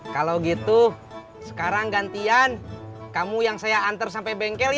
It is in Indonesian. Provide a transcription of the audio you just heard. kalau gitu sekarang gantian kamu yang saya antar sampai bengkel